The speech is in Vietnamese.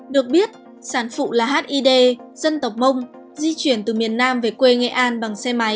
được biết sản phụ là hid dân tộc mông di chuyển từ miền nam về quê nghệ an bằng xe máy